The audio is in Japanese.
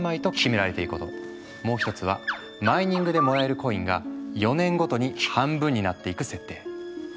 もう１つはマイニングでもらえるコインが４年ごとに半分になっていく設定。